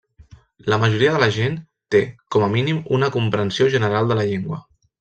La majoria de la gent té, com a mínim, una comprensió general de la llengua.